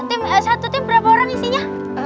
tim satu tim berapa orang isinya